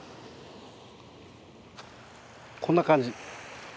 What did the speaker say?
こんな感じ。